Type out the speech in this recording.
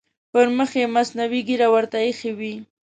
پر مخ یې مصنوعي ږیره ورته اېښې وي.